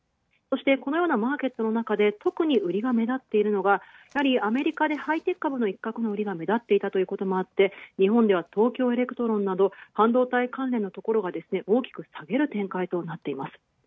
そして、このようなマーケットのなかで特に売りが目立つのはやはりアメリカでハイテク株のいっかくが目立っていたこともあり日本では東京エレクトロンなど半導体関連のところが大きく下げる展開となっています。